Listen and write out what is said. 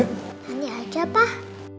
nanti aja pak